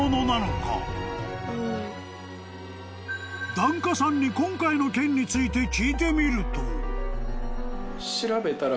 ［檀家さんに今回の件について聞いてみると］